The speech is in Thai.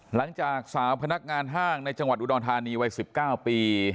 หลังจากสาวพนักงานห้างในจังหวัดอุดรธานีวัย๑๙ปี